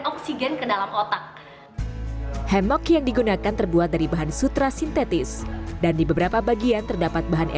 oksigen ke dalam otak hemok yang digunakan terbuat dari bahan sutra sintetis dan di beberapa bagian terdapat bahan